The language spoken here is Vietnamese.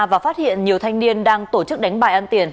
và phát hiện nhiều thanh niên đang tổ chức đánh bài ăn tiền